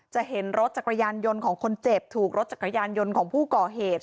จะเห็นรถจักรยานยนต์ของคนเจ็บถูกรถจักรยานยนต์ของผู้ก่อเหตุ